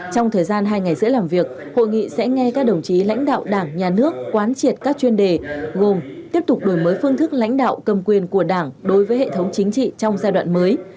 trong thời gian hai ngày dễ làm việc hội nghị sẽ nghe các đồng chí lãnh đạo đảng nhà nước quán triệt các chuyên đề gồm tiếp tục đổi mới phương thức lãnh đạo cầm quyền của đảng đối với hệ thống chính trị trong giai đoạn mới